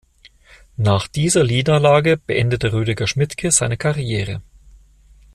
Nach dieser Niederlage beendete Rüdiger Schmidtke seine Karriere.